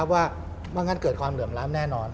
ว่างั้นเกิดความเหลือมหร้ำน่านะ